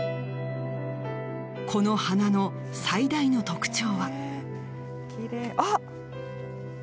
この花の最大の特徴は。